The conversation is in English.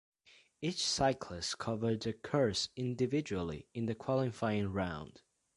Each cyclist covered the course individually in the qualifying round.